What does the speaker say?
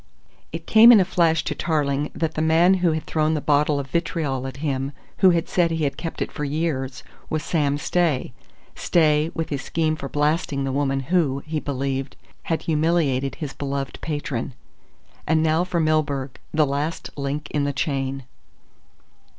It came in a flash to Tarling that the man who had thrown the bottle of vitriol at him, who had said he had kept it for years was Sam Stay. Stay, with his scheme for blasting the woman who, he believed, had humiliated his beloved patron. And now for Milburgh, the last link in the chain.